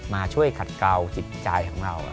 มาช่วยขัดเกาจิตใจของเรา